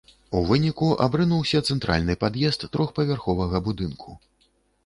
У выніку, абрынуўся цэнтральны пад'езд трохпавярховага будынку.